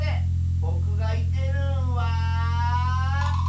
ぼくがいてるんは。